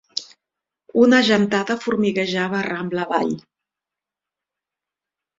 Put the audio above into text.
Una gentada formiguejava rambla avall.